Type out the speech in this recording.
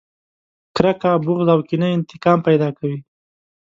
کرکه، بغض او کينه انتقام پیدا کوي.